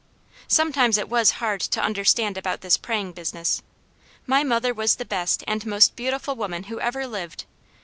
Sometimes it was hard to understand about this praying business. My mother was the best and most beautiful woman who ever lived.